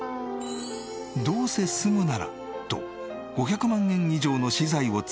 どうせ住むならと５００万円以上の私財を費やし。